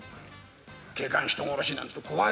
「警官人殺し」なんて怖いわね。